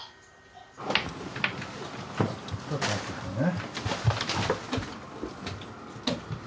ちょっと待っててね。